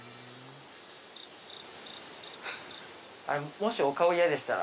もしお顔嫌でしたら